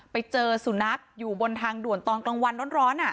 ไปเจอสุนัขอยู่บนทางด่วนตอนกลางวันร้อน